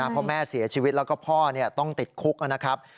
เพราะแม่เสียชีวิตแล้วก็พ่อต้องติดคุกนะครับ